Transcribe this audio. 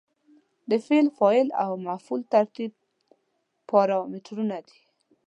د فعل، فاعل او مفعول ترتیب پارامترونه دي.